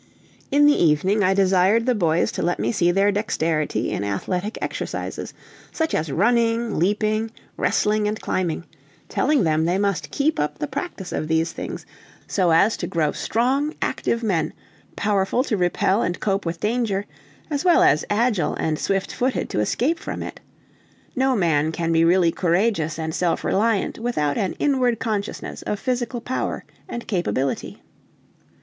In the evening I desired the boys to let me see their dexterity in athletic exercises, such as running, leaping, wrestling, and climbing; telling them they must keep up the practice of these things, so as to grow strong, active men, powerful to repel and cope with danger, as well as agile and swift footed to escape from it. No man can be really courageous and self reliant without an inward consciousness of physical power and capability.